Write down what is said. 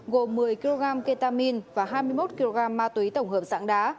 gồm một mươi kg ketamine và hai mươi một kg ma túy tổng hợp dạng đá